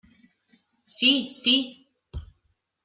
Sí, sí!